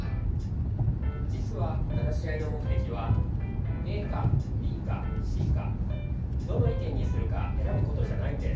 実は話し合いの目的はＡかＢかＣかどの意見にするか選ぶことじゃないんです。